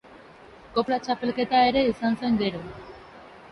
Kopla txapelketa ere izan zen gero.